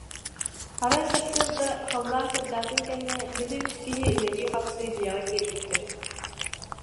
Арай сарсыарда, халлаан сырдаатын кэннэ, били үс киһи үлэлии-хамсыы дьиэҕэ киирбиттэр